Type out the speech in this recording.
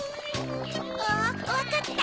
わかった！